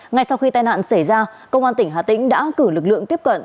ngay sau khi tai nạn xảy ra công an tỉnh hà tĩnh đã cử lực lượng tiếp cận